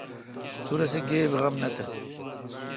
تو رسے گیب غم نہ تھ۔